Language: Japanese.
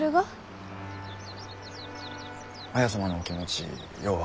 綾様のお気持ちよう分